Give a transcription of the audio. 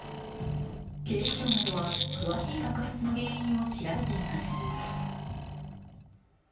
警視庁などは詳しい爆発の原因を調べています。